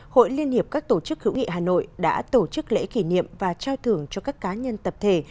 hội liên hiệp các tổ chức hữu nghị hà nội đã tổ chức lễ kỷ niệm và trao thưởng cho các cá nhân tập thể